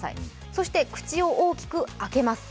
そして、口を大きく開けます。